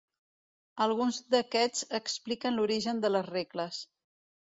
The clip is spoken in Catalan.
Alguns d'aquests expliquen l'origen de les regles.